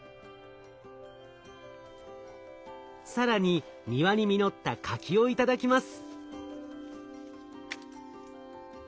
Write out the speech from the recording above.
更に庭に実った柿を頂きます。